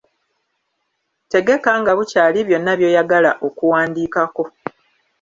Tegeka nga bukyali byonna by'oyagala okuwandiikako.